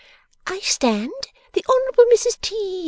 'I stand the Honourable Mrs T.